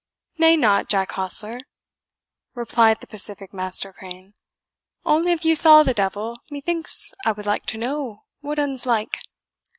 "Nay, nought, Jack Hostler," replied the pacific Master Crane; "only if you saw the devil, methinks I would like to know what un's like?"